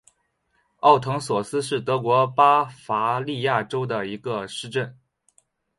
奥滕索斯是德国巴伐利亚州的一个市镇。